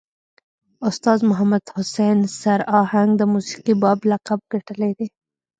استاذ محمد حسین سر آهنګ د موسیقي بابا لقب ګټلی دی.